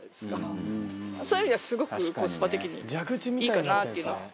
そういう意味ではすごくコスパ的にいいかなっていう。